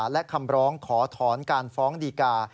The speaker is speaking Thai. และคำร้องขอถอนการฟ้องดีกา